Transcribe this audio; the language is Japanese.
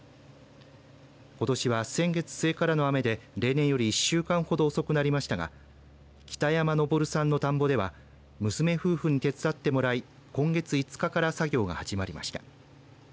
ことしは先月末からの雨で例年より１週間程遅くなりましたが北山昇さんの田んぼでは娘夫婦に手伝ってもらい、今月５日から作業が始まりました。